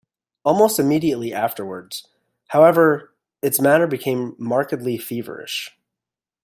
Almost immediately afterwards, however, its manner became markedly feverish.